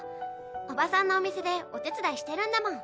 おばさんのお店でお手伝いしてるんだもん。